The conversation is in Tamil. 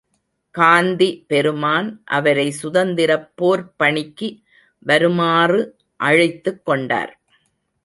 காந்தி பெருமான் அவரை சுதந்திரப் போர்ப் பணிக்கு வருமாறு அழைத்துக் கொண்டார்.